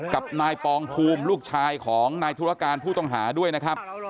กับนายปองภูมิลูกชายของนายธุรการผู้ต้องหาด้วยนะครับ